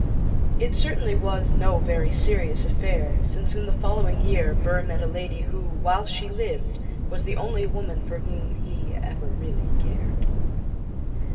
It certainly was no very serious affair, since in the following year Burr met a lady who, while she lived, was the only woman for whom he ever really cared.